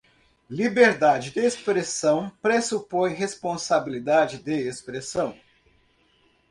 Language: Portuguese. Liberdade de expressão pressupõe responsabilidade de expressão